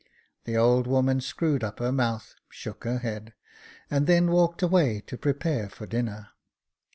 The old woman screwed up her mouth, shook her head, and then walked away to prepare for dinner.